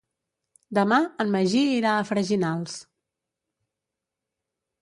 Demà en Magí irà a Freginals.